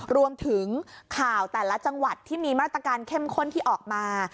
รวมถึงข่าวแต่ละจังหวัดที่มีมาตรการเข้มข้นที่ออกมา